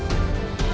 maksud beberapa shiva